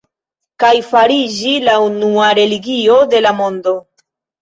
Kaj fariĝi la unua religio de la mondo.